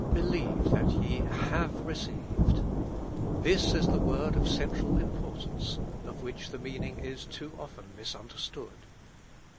" Believe that ye have recived.'' This is the word of central importance, of which the meaning is too often misunderstood.